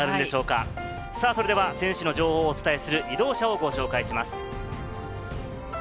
それでは選手の情報をお伝えする移動車をご紹介します。